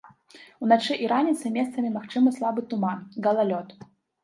Уначы і раніцай месцамі магчымы слабы туман, галалёд.